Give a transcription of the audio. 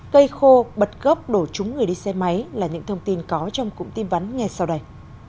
cây khô bật gốc đổ trúng người đi xe máy là những thông tin có trong cụm tin vắn ngay sau đây